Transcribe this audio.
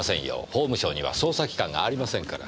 法務省には捜査機関がありませんから。